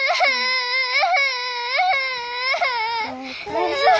大丈夫？